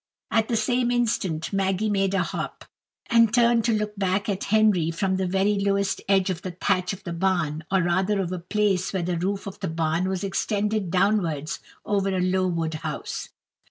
At the same instant Maggy made a hop, and turned to look back at Henry from the very lowest edge of the thatch of the barn, or rather of a place where the roof of the barn was extended downwards over a low wood house.